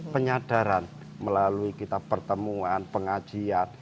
penyadaran melalui kita pertemuan pengajian